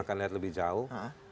akan lihat lebih jauh